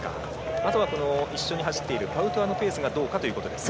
あとは一緒に走っているパウトワのペースがどうかということですね。